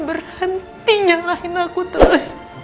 berhenti nyalahin aku terus